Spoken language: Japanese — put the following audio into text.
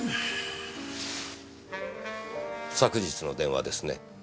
昨日の電話ですね。